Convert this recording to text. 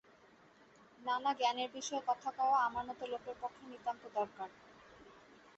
নানা জ্ঞানের বিষয়ে কথা কওয়া আমার মতো লোকের পক্ষে নিতান্ত দরকার।